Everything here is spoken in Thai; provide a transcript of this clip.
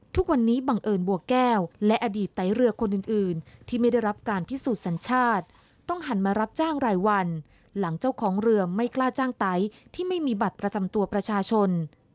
ทุกวันนี้บังเอิญบัวแก้วและอดีตไต้เรือคนอื่นที่ไม่ได้รับการพิสูจน์สัญชาติต้องหันมารับจ้างรายวันหลังเจ้าของเรือไม่กล้าจ้างไต้ที่ไม่มีบัตรประจำตัวประชาชน